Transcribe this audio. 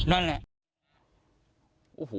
นั่นแหละ